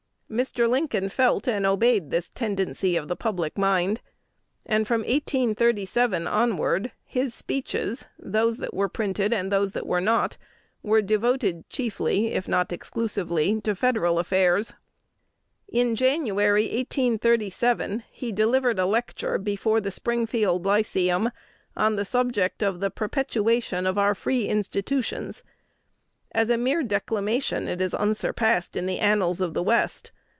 Mr. Lincoln felt and obeyed this tendency of the public mind, and from 1837 onward his speeches those that were printed and those that were not were devoted chiefly, if not exclusively, to Federal affairs. In January, 1837, he delivered a lecture before the Springfield Lyceum on the subject of the "Perpetuation of our Free Institutions." As a mere declamation, it is unsurpassed in the annals of the West.